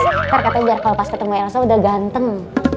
ntar katanya biar kalau pas ketemu elsa udah ganteng